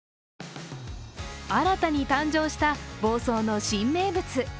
新たに誕生した房総の新名物。